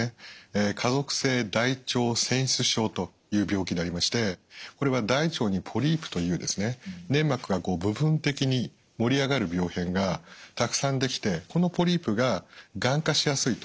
家族性大腸腺腫症という病気でありましてこれは大腸にポリープという粘膜が部分的に盛り上がる病変がたくさんできてこのポリープががん化しやすいと。